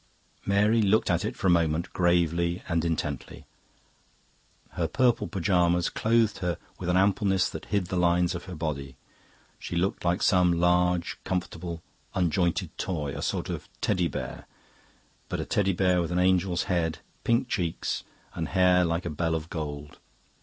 Mary looked at it for a moment, gravely and intently. Her purple pyjamas clothed her with an ampleness that hid the lines of her body; she looked like some large, comfortable, unjointed toy, a sort of Teddy bear but a Teddy bear with an angel's head, pink cheeks, and hair like a bell of gold.